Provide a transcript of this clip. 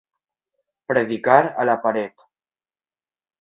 Predicar a la paret.